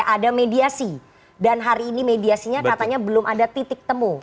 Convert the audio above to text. ada mediasi dan hari ini mediasinya katanya belum ada titik temu